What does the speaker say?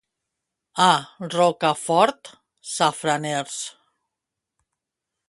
A Rocafort, safraners.